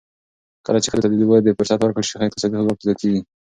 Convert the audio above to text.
کله چې ښځو ته د ودې فرصت ورکړل شي، اقتصادي ځواک زیاتېږي.